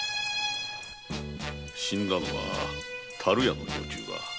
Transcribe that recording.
死んだのは樽屋の女中だ。